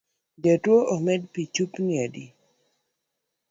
Jatuo omed pi chupni adi